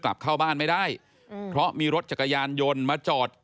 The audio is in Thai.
กลุ่มวัยรุ่นก็ตอบกลับไปว่าเอ้าก็จอดรถจักรยานยนต์ตรงแบบเนี้ยมานานแล้วอืม